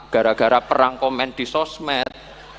gara gara perang komen di sosmed